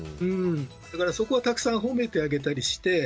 そこはたくさん褒めてあげたりして。